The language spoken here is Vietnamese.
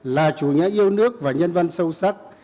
là chủ nghĩa yêu nước và nhân văn sâu sắc